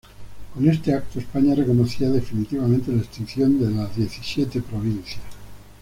Con este acto España reconocía definitivamente la extinción de las Diecisiete Provincias.